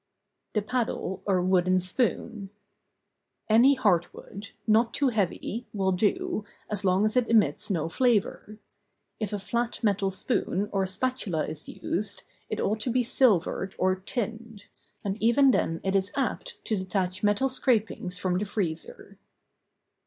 THE PADDLE, OR WOODEN SPOON. Any hard wood, not too heavy, will do, as long as it emits no flavor. If a flat metal spoon, or spatula, is used, it ought to be silvered, or tinned ; and even then it is apt to detach metal scrapings from the freezer.